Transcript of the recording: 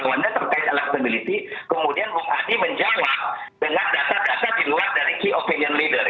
tapi pertanyaan luar tangannya terkait eletabilitas kemudian bung adi menjawab dengan data data di luar dari key opinion leader